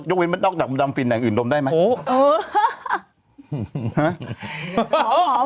ยกวิ้นนอกจากดำฟีนแหล่งอื่นดมได้ไหม